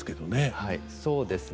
はいそうですね。